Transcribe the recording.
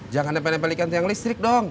jangan nempelin nempelin ikan tiang listrik dong